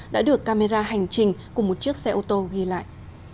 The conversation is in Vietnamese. đã được camera hành trình của một chiếc xe ô tô ghi lại